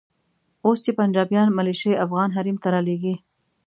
اوس چې پنجابیان ملیشې افغان حریم ته رالېږي.